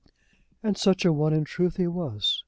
And such a one in truth he was.